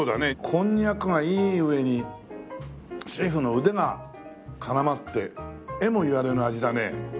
こんにゃくがいい上にシェフの腕が絡まってえも言われぬ味だね。